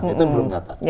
itu belum nyata